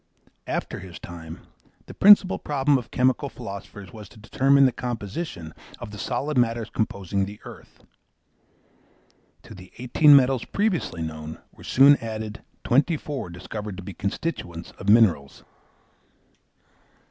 After his time, the principal problem of chemical philosophers was to determine the composition of the solid matters composing the earth. To the eighteen metals previously known were soon added twenty four discovered to be constituents of minerals.